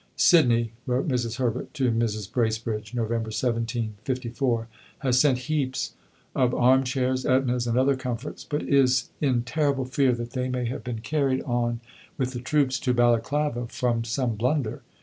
"Sidney," wrote Mrs. Herbert to Mrs. Bracebridge (Nov. 17, '54), "has sent heaps of armchairs, etnas, and other comforts, but is in terrible fear that they may have been carried on with the troops to Balaclava from some blunder."